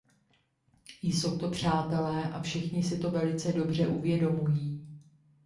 Jsou to přátelé a všichni si to velice dobře uvědomují.